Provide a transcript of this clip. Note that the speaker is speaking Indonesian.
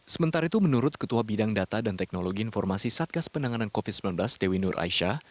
sementara itu menurut ketua bidang data dan teknologi informasi satgas penanganan covid sembilan belas dewi nur aisyah